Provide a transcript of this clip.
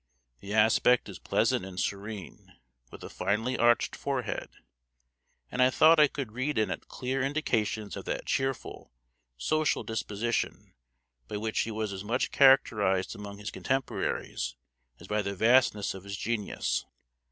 The aspect is pleasant and serene, with a finely arched forehead; and I thought I could read in it clear indications of that cheerful, social disposition by which he was as much characterized among his contemporaries as by the vastness of his genius.